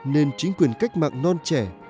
nên chính quyền cách mạng non trẻ